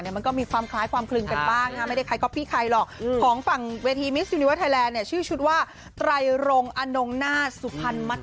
เดี๋ยวไหว้กันบนเวทีแน่นอนนะครับ